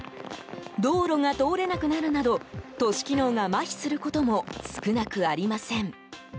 道路が通れなくなるなど都市機能がまひすることも少なくありません。